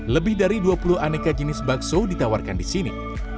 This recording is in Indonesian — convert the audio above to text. lebih dari dua puluh aneka jenis bakso ditawarkan di sini